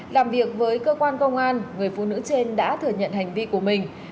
làm việc với cơ quan công an người phụ nữ trên đã thừa nhận hành vi của mình